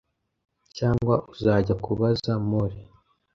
Cyangwa uzajya kubaza Mole?